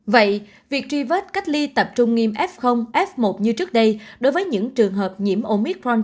vậy việc truy vết cách ly tập trung nghiêm f f một như trước đây đối với những trường hợp nhiễm omitry